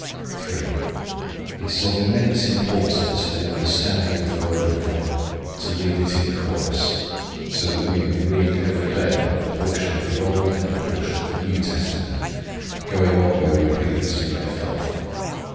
"III. It is of immense importance for the understanding of the word of God, to read it in course, so that we may read every day a portion of the Old and a portion of the New Testament, going on where we previously left off.